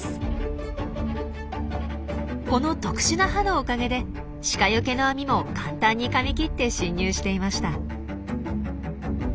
この特殊な歯のおかげでシカよけの網も簡単にかみ切って侵入していました。